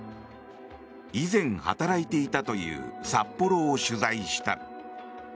以前働いていたという札幌を取材した。